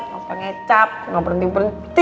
gak suka ngecap gak berhenti berhenti